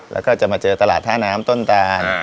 แล้วก็จะมาเจอตลาดท่าน้ำต้นตาน